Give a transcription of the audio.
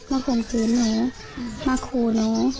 พี่น้องของผู้เสียหายแล้วเสร็จแล้วมีการของผู้เสียหาย